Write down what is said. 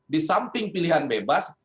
di samping pilihan bebas